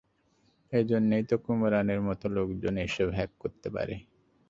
এজন্যই কুমারানের মতো লোকজন এসব হ্যাক করতে পারে।